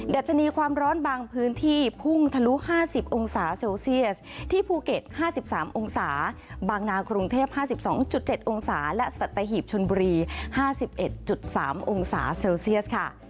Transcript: ัชนีความร้อนบางพื้นที่พุ่งทะลุ๕๐องศาเซลเซียสที่ภูเก็ต๕๓องศาบางนากรุงเทพ๕๒๗องศาและสัตหีบชนบุรี๕๑๓องศาเซลเซียสค่ะ